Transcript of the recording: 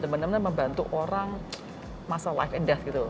benar benar membantu orang masa live and death gitu